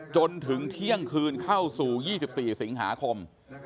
จนถึงเที่ยงคืนเข้าสู่๒๔สิงหาคม